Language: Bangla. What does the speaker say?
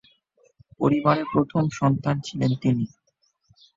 পরিবারের প্রথম সন্তান ছিলেন তিনি।